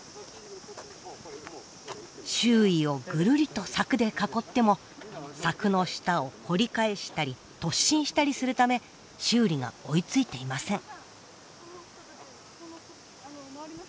周囲をぐるりと柵で囲っても柵の下を掘り返したり突進したりするため修理が追いついていません。